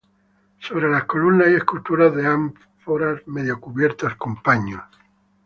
Sobre las columnas hay esculturas de ánforas medio cubiertas con paños.